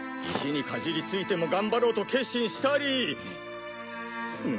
石にかじりついても頑張ろうと決心したり。